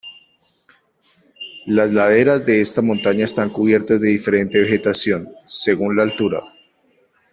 Las laderas de esta montaña están cubiertas de diferente vegetación, según la altura.